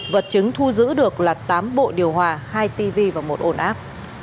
vật chứng thu giữ được là tám bộ điều hòa hai tv và một ồn áp